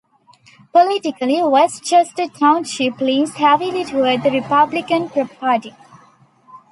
Politically, West Chester Township leans heavily toward the Republican Party.